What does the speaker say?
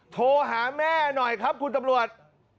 โทรหาแม่หน่อยครับคุณตำรวจ